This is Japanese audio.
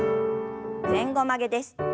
前後曲げです。